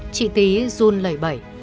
chị tí run lời bẩy